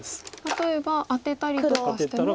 例えばアテたりとかしても。